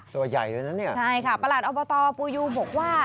ตัวใหญ่เลยนะเนี่ยใช่ค่ะประหลัดอบตปูยูบอกว่า